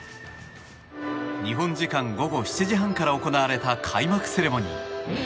日本時間午後７時半から行われた開幕セレモニー。